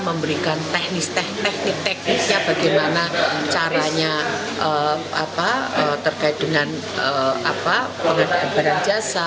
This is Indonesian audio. memberikan teknis teknik teknisnya bagaimana caranya terkait dengan pengadaan barang jasa